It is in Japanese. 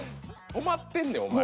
止まってんでお前。